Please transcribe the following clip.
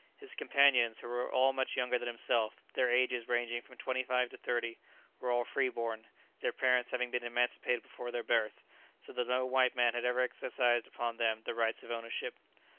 His companions, who were all much younger than himself, their ages ranging from twenty five to thirty, were all free born, their parents having been emancipated before their birth, so that no white man had ever exercised upon them the rights of ownership.